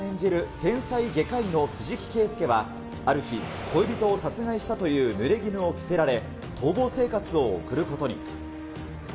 天才外科医の藤木圭介は、ある日、恋人を殺害したというぬれぎぬを着せられ逃亡生活を送ることに。